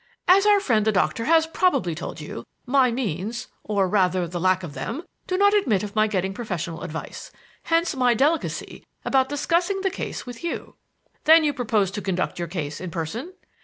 As our friend the Doctor has probably told you, my means or rather, the lack of them do not admit of my getting professional advice. Hence my delicacy about discussing the case with you." "Then do you propose to conduct your case in person?"